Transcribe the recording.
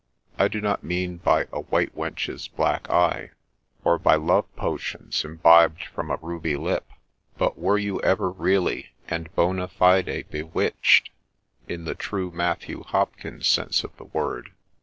— I do not mean by a ' white wench's black eye,' or by love potions imbibed from a ruby lip ;— but, were you ever really and bond fide bewitched, in the true Matthew Hopkins' sense of the word